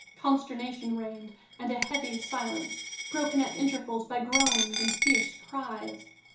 Consternation reigned and a heavy silence, broken at intervals by groans and fierce cries.